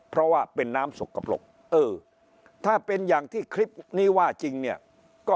เพราะว่าเป็นน้ำสกปรกเออถ้าเป็นอย่างที่คลิปนี้ว่าจริงเนี่ยก็